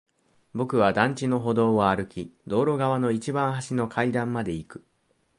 僕は団地の歩道を歩き、道路側の一番端の階段まで行く。